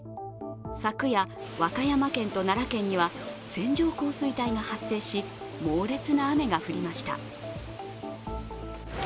昨夜、和歌山県と奈良県には線状降水帯が発生し、猛烈な雨が降りました。